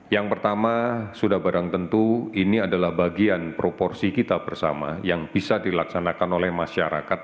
yang pertama sudah barang tentu ini adalah bagian proporsi kita bersama yang bisa dilaksanakan oleh masyarakat